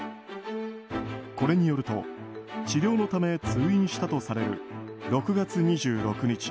これによると、治療のため通院したとされる６月２６日。